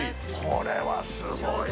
・これはすごい。